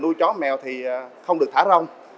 nuôi chó mèo thì không được thả rong